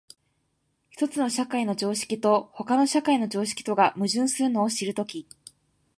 一つの社会の常識と他の社会の常識とが矛盾するのを知るとき、